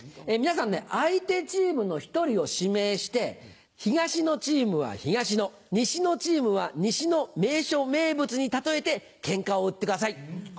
皆さんね相手チームの１人を指名して東のチームは東の西のチームは西の名所名物に例えてケンカを売ってください。